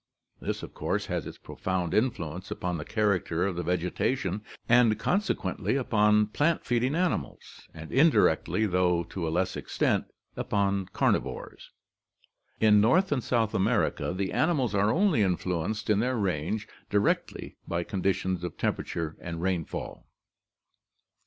This of course has its profound influence upon the character of the vegetation and consequently upon plant feeding animals and indirectly, though to a less extent, upon carnivores. In North and South America the animals are only influenced in their range directly by condi tions of temperature and rainfall.